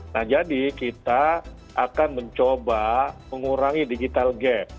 nah jadi kita akan mencoba mengurangi digital gap